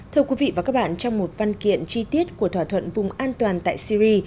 thưa quý vị và các bạn trong một văn kiện chi tiết của thỏa thuận vùng an toàn tại syri